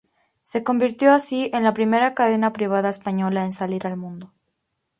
Se convirtió, así, en la primera cadena privada española en salir al mundo.